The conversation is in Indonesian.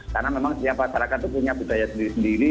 karena memang setiap masyarakat itu punya budaya sendiri sendiri